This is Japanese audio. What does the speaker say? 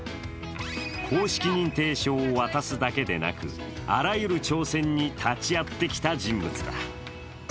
公式認定証を渡すだけでなくあらゆる挑戦に立ち会ってきた人物だ。